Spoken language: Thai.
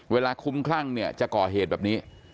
เวลาคุ้มคลั่งเนี่ยจะก่อเหตุแบบนี้